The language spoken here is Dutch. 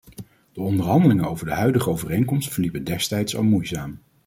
De onderhandelingen over de huidige overeenkomst verliepen destijds al moeizaam.